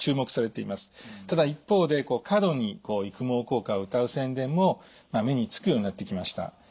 ただ一方で過度に育毛効果をうたう宣伝も目につくようになってきました。